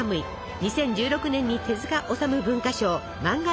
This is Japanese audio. ２０１６年に手塚治虫文化賞マンガ大賞を受賞。